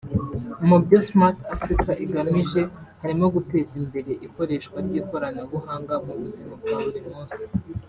Mu byo Smart Africa igamije harimo guteza imbere ikoreshwa ry’ikoranabuhanga mu buzima bwa buri munsi